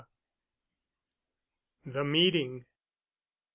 THE MEETING.